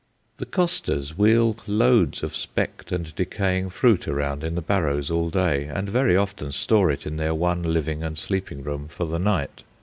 The costers wheel loads of specked and decaying fruit around in the barrows all day, and very often store it in their one living and sleeping room for the night.